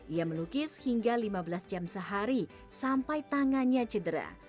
ia melukis hingga lima belas jam sehari sampai tangannya cedera